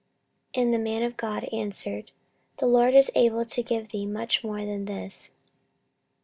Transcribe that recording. And the man of God answered, The LORD is able to give thee much more than this.